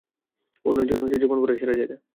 ওনার জন্য জোবানপুরাই সেরা জায়গা।